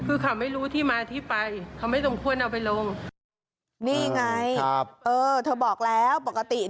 เออเธอบอกแล้วปกติ